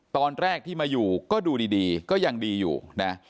ตอนแรกที่มาอยู่ก็ดูดีก็ยังดีอยู่นะ